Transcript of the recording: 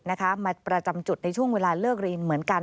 มาประจำจุดในช่วงเวลาเลิกเรียนเหมือนกัน